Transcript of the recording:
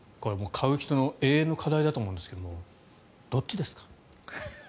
買う人の永遠の課題だと思うんですけどどっちですか？